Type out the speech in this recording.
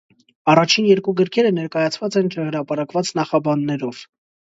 Առաջին երկու գրքերը ներկայացված են չհրապարակված նախաբաններով։